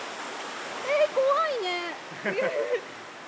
え怖いね。